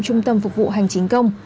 trung tâm phục vụ hành chính công